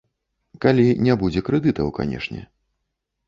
Калі не будзе крэдытаў, канешне.